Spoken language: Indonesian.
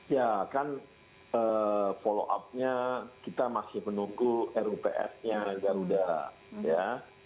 ya kan follow up nya kita masih menunggu rups nya agar udah ya